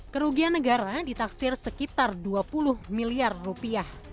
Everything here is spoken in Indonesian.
kerugian negara ditaksir sekitar dua puluh miliar rupiah